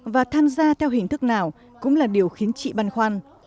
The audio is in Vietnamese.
và tham gia theo hình thức nào cũng là điều khiến chị băn khoăn